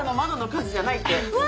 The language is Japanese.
うわ！